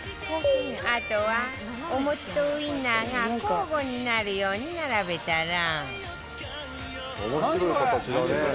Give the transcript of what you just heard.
あとはお餅とウインナーが交互になるように並べたら